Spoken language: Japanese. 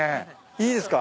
いいですか？